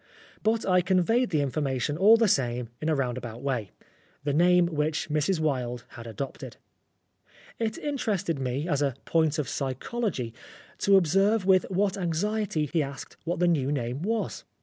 But I conveyed the information all the same in a roundabout way the name which Mrs. Wilde had adopted. It interested me, as a point of psychology, to observe with what anxiety he asked what the new name was.